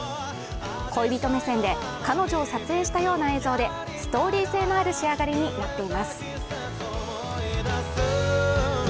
恋人目線で彼女を撮影したような映像でストーリー性のある仕上がりになっています。